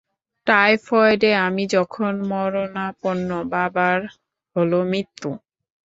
টাইফয়েডে আমি যখন মরণাপন্ন, বাবার হল মৃত্যু।